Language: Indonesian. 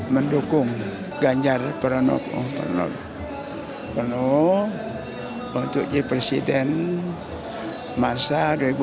mendukung ganjar pranowo untuk jadi presiden masa dua ribu dua puluh empat dua ribu dua puluh sembilan